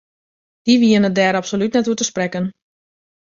Dy wienen dêr absolút net oer te sprekken.